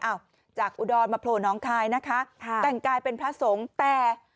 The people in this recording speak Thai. อ้าวจากอุดรมาโพโรน้องคายแต่งกายเป็นพระสงษแต่